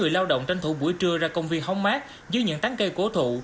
lao động tranh thủ buổi trưa ra công viên hóng mát dưới những tán cây cổ thụ